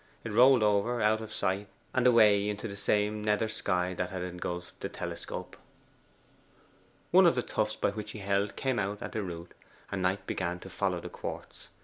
It rolled over, out of sight, and away into the same nether sky that had engulfed the telescope. One of the tufts by which he held came out at the root, and Knight began to follow the quartz.